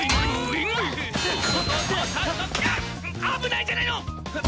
危ないじゃないの！